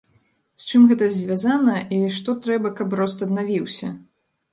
З чым гэта звязана, і што трэба, каб рост аднавіўся?